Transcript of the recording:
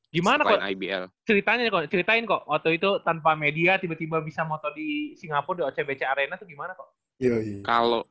gimana ko ceritain ko waktu itu tanpa media tiba tiba bisa moto di singapura di ocbc arena tuh gimana ko